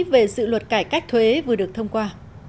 về dự luật cải cách thuế vừa được thông qua